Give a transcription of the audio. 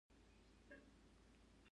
د پوهنتون زده کړه د شخصیت جوړونې لار ده.